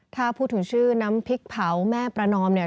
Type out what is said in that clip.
ถ้าพูดถึงชื่อน้ำพริกเผาแม่ประนอมเนี่ย